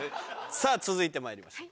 さぁ続いてまいりましょう。